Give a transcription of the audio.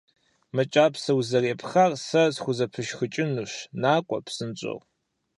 - Мы кӀапсэ узэрепхар сэ схузэпышхыкӀынущ, накӀуэ псынщӀэу!